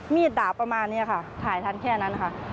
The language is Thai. ดาบประมาณนี้ค่ะถ่ายทันแค่นั้นค่ะ